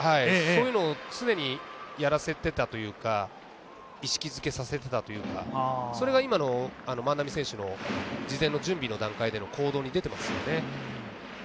そういうのを常にやらせてたというか、意識付けさせてたというかそれが今の万波選手の事前の準備の段階での行動に出ていますよね。